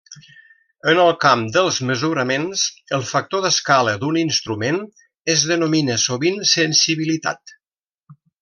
En el camp dels mesuraments, el factor d'escala d'un instrument es denomina sovint sensibilitat.